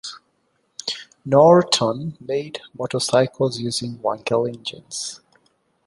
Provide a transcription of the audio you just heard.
Norton made motorcycles using Wankel engines.